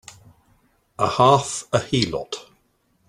A half a heelot!